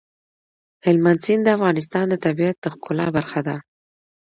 هلمند سیند د افغانستان د طبیعت د ښکلا برخه ده.